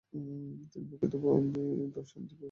তিনি প্রকৃতিবাদী দর্শনের তীব্র সমালোচনা করতেন।